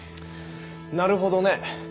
なるほどね。